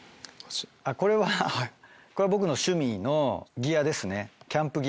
これはこれは僕の趣味のギアですねキャンプギア。